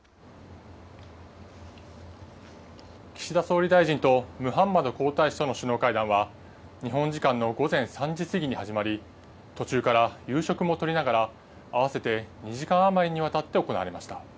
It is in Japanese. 岸田総理大臣とムハンマド皇太子との首脳会談は、日本時間の午前３時過ぎに始まり、途中から夕食もとりながら、合わせて２時間余りにわたって行われました。